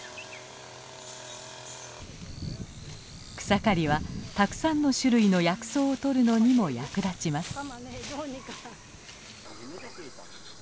草刈りはたくさんの種類の薬草をとるのにも役立ちます。